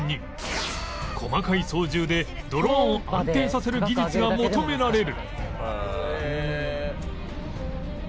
細かい操縦でドローンを安定させる技術が求められる